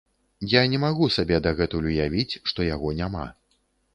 Я не магу сабе дагэтуль уявіць, што яго няма.